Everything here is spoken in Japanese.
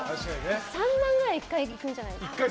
３万円くらい１回いくんじゃないですか。